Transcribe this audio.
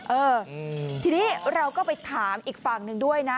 เออทีนี้เราก็ไปถามอีกฝั่งหนึ่งด้วยนะ